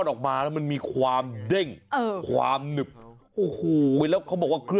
โอ้โห